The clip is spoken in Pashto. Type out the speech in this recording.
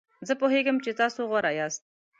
زه پوهیږم چې تاسو غوره یاست.